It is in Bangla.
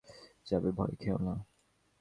মায়ের ইচ্ছায় সমস্ত কাজ চলে যাবে, ভয় খেও না।